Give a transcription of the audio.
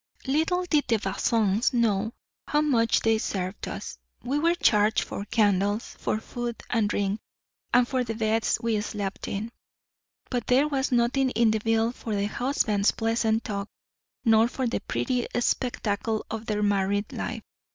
Little did the Bazins know how much they served us. We were charged for candles, for food and drink, and for the beds we slept in. But there was nothing in the bill for the husband's pleasant talk; nor for the pretty spectacle of their married life.